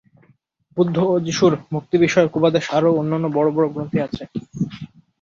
বুদ্ধ ও যীশুর ভক্তিবিষয়ক উপদেশ আরও অন্যান্য বড় বড় গ্রন্থে আছে।